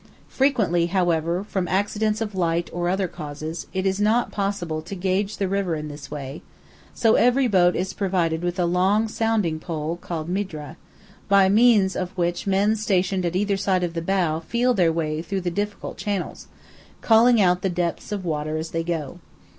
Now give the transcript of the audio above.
Frequently, however, from accidents of light or other causes, it is not possible to gauge the river in this way, so every boat is provided with long sounding poles called "midra," by means of which men stationed at either side of the bow feel their way through the difficult channels, calling out the depths of water as they go.